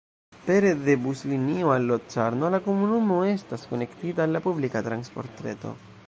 Pere de buslinio al Locarno la komunumo estas konektita al la publika transportreto.